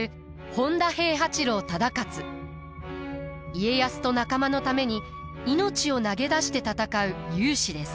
家康と仲間のために命を投げ出して戦う勇士です。